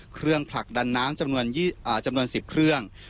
เครื่องผลักดันน้ำจำนวน๑๐เครื่อง